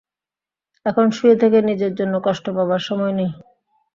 এখন শুয়ে থেকে নিজের জন্য কষ্ট পাবার সময় নয়।